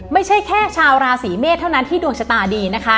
ไม่ใช่แค่ชาวราศีเมษเท่านั้นที่ดวงชะตาดีนะคะ